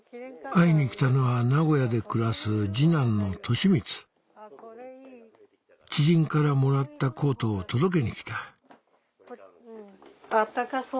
会いに来たのは名古屋で暮らす知人からもらったコートを届けに来た暖かそう。